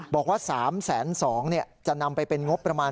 บอกว่า๓๒๐๐จะนำไปเป็นงบประมาณ